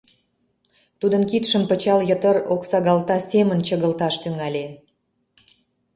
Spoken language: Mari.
Тудын кидшым пычал йытыр оксагалта семын чыгылташ тӱҥале.